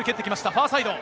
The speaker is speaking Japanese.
ファーサイド。